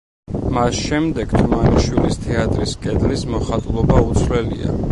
მას შემდეგ თუმანიშვილის თეატრის კედლის მოხატულობა უცვლელია.